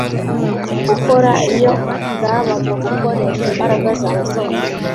gukora iyo bwabagagukoresha imbaraga zawe zose